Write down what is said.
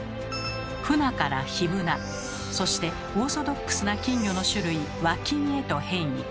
フナからヒブナそしてオーソドックスな金魚の種類「和金」へと変異。